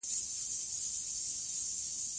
د افغانستان هېواد د بېلابېلو ډولو ځمکو یو ښه کوربه دی.